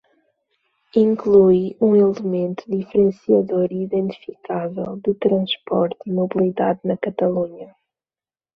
Inclui um elemento diferenciador e identificável de transporte e mobilidade na Catalunha.